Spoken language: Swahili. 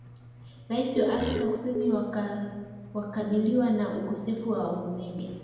Raia wa Afrika kusini wakabiliwa na ukosefu wa umeme.